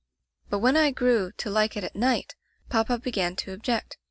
"But when I grew to like it at night, papa began to object.